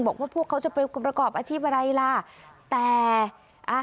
บอกว่าพวกเขาจะไปประกอบอาชีพอะไรล่ะแต่อ่า